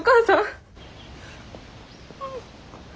うん。